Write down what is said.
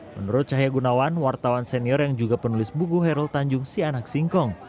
menurut cahaya gunawan wartawan senior yang juga penulis buku herul tanjung si anak singkong